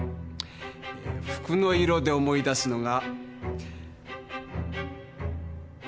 えー服の色で思い出すのが。